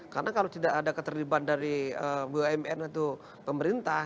karena kalau tidak ada keterlibatan dari bumn atau pemerintah